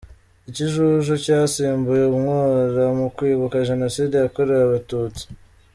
Ikijuju cyasimbuye Umwura mu kwibuka Jenoside yakorewe Abatutsi